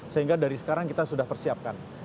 sehingga dari sekarang kita sudah persiapkan